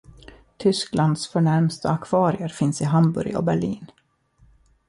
Tysklands förnämsta akvarier finnas i Hamburg och Berlin.